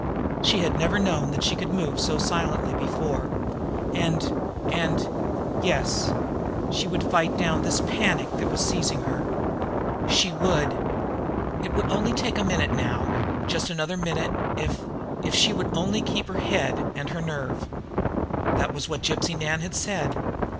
She had never known that she could move so silently before and and Yes, she would fight down this panic that was seizing her! She would! It would only take a minute now just another minute if if she would only keep her head and her nerve. That was what Gypsy Nan had said.